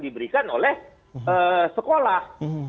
diberikan oleh sekolah